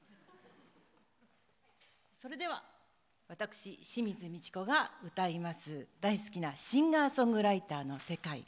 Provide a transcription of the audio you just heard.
私、清水ミチコが歌います大好きなシンガーソングライターの世界。